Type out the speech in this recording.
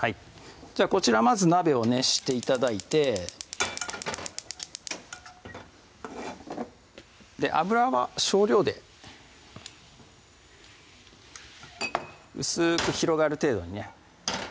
こちらまず鍋を熱して頂いて油は少量で薄く広がる程度にね